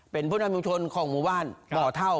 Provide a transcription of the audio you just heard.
เป็นผู้นำชุมชนของหมู่บ้านบ่อเท่า